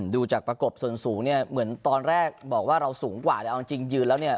ดูจากประกบส่วนสูงเนี่ยเหมือนตอนแรกบอกว่าเราสูงกว่าแต่เอาจริงยืนแล้วเนี่ย